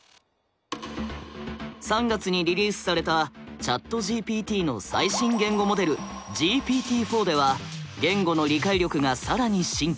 ３月にリリースされたＣｈａｔＧＰＴの最新言語モデルＧＰＴー４では言語の理解力が更に進化。